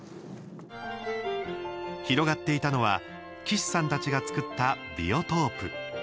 広がっていたのは岸さんたちが作ったビオトープ。